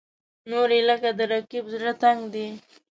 نورې یې لکه د رقیب زړه تنګ دي.